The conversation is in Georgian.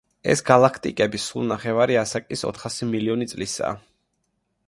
ეს გალაქტიკები სულ ნახევარი ასაკის, ოთხასი მილიონი წლისაა.